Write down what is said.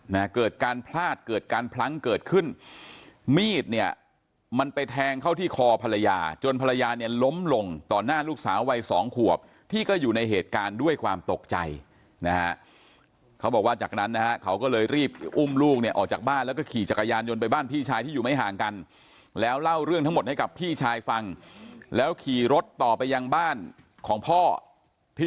นะฮะเกิดการพลาดเกิดการพลั้งเกิดขึ้นมีดเนี่ยมันไปแทงเข้าที่คอภรรยาจนภรรยาเนี่ยล้มลงต่อหน้าลูกสาววัยสองขวบที่ก็อยู่ในเหตุการณ์ด้วยความตกใจนะฮะเขาบอกว่าจากนั้นนะฮะเขาก็เลยรีบอุ้มลูกเนี่ยออกจากบ้านแล้วก็ขี่จักรยานยนต์ไปบ้านพี่ชายที่อยู่ไม่ห่างกันแล้วเล่าเรื่องทั้งหมดให้กับพี่ชายฟังแล้วขี่รถต่อไปยังบ้านของพ่อที่